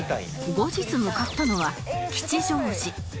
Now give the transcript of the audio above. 後日向かったのは吉祥寺